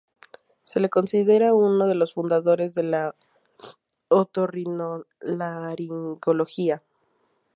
Se le considera una de los fundadores de la otorrinolaringología.